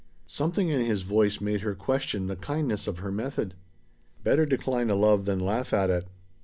Something in his voice made her question the kindness of her method. Better decline a love than laugh at it.